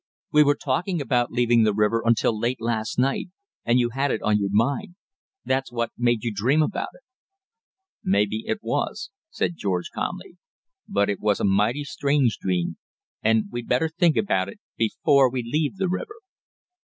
We were talking about leaving the river until late last night, and you had it on your mind that's what made you dream about it." "May be it was," said George calmly; "but it was a mighty strange dream, and we'd better think about it before we leave the river.